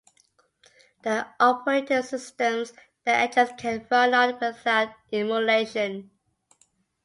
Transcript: The operating systems the engines can run on without emulation.